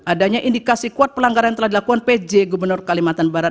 adanya indikasi kuat pelanggaran yang telah dilakukan pj gubernur kalimantan barat